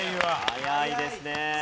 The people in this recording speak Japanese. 早いですね。